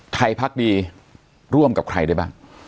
ใครพรรคดีร่วมกับใครด้วยบ้าง